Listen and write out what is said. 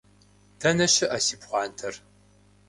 Дэнэ щыӏэ си пхъуантэр?